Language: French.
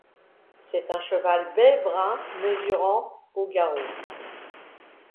C'est un cheval bai-brun mesurant au garrot.